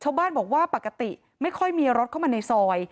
ชาวบ้านบอกว่าปกติไม่ค่อยมีรถเข้ามาในซอย